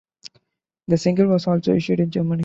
The single was also issued in Germany.